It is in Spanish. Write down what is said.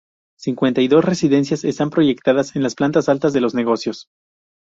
Cincuenta y dos residencias están proyectadas en las plantas altas de los negocios.